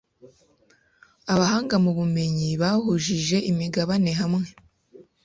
abahanga mu bumenyi bahujije imigabane hamwe